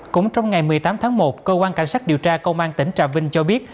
cũng trong ngày một mươi tám tháng một cơ quan cảnh sát điều tra công an tỉnh trà vinh cho biết